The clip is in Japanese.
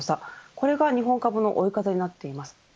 これが日本株の追い風になっています。